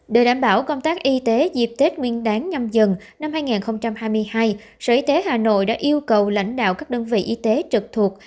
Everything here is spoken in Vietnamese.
để đảm bảo công tác y tế dịp tết nguyên đáng nhâm dần năm hai nghìn hai mươi hai sở y tế hà nội đã yêu cầu lãnh đạo các đơn vị y tế trực thuộc